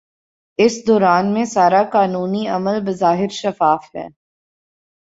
اس دوران میں سارا قانونی عمل بظاہر شفاف ہے۔